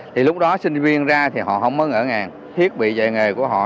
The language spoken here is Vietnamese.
thì lúc đó sinh viên ra thì họ không mới ngỡ ngàng thiết bị dạy nghề của họ